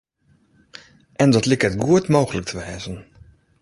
En dat liket goed mooglik te wêzen.